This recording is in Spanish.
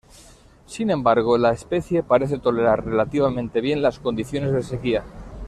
Sin embargo la especie parece tolerar relativamente bien las condiciones de sequía.